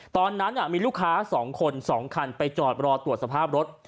ตอนนั้นมีลูกค้า๒คน๒คันไปจอดรอตรวจสภาพรถ